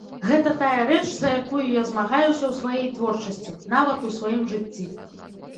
Гэта тая рэч, за якую я змагаюся ў сваёй творчасці, нават у сваім жыцці.